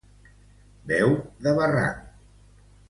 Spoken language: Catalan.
Veu de barranc.